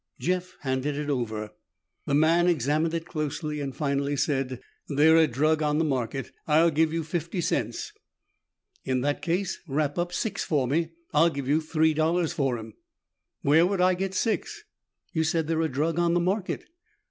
Jeff handed it over. The man examined it closely and finally said, "They're a drug on the market. I'll give you fifty cents." "In that case, wrap up six for me. I'll give you three dollars for 'em." "Where would I get six?" "You said they're a drug on the market."